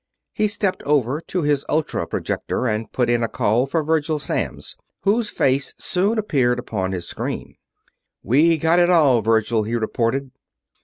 He stepped over to his ultra projector and put in a call for Virgil Samms, whose face soon appeared upon his screen. "We got it all, Virgil," he reported.